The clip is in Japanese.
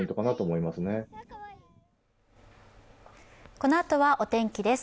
このあとはお天気です。